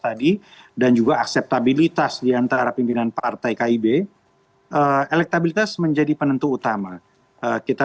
elektabilitas diantara pimpinan partai kib elektabilitas menjadi penentu utama kita